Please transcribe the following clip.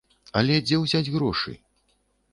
Але дзе ўзяць грошы?